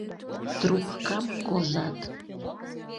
Трупкам «кожат».